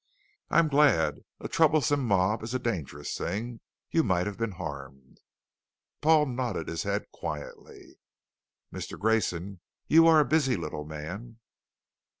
"I am glad. A troublesome mob is a dangerous thing. You might have been harmed." Paul nodded his head quietly. "Mister Grayson, you are a busy little man."